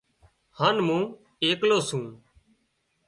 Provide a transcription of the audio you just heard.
هانَ مُون ايڪلو سُون